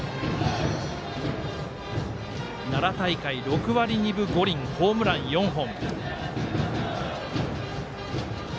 奈良大会、６割２分５厘ホームラン４本。